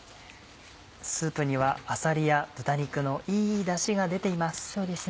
スープにはあさりや豚肉のいいダシが出ています。